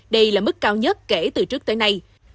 đây là mức cao nhất kể từ trước tới nay